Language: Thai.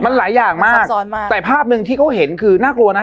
มันหลายอย่างมากซ้อนมากแต่ภาพหนึ่งที่เขาเห็นคือน่ากลัวนะ